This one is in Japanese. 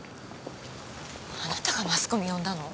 あなたがマスコミ呼んだの？